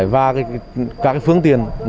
và các phương tiền